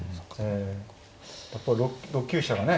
やっぱり６九飛車がね